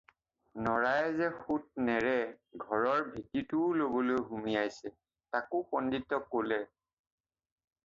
নৰায়ে যে সুত নেৰে, ঘৰৰ ভেটিটোও ল'বলৈ হুমিয়াইছে তাকো পণ্ডিতক ক'লে।